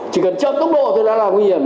chỉ cần chậm tốc độ thôi là nguy hiểm